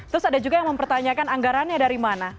terus ada juga yang mempertanyakan anggarannya dari mana